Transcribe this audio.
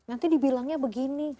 nanti dibilangnya begini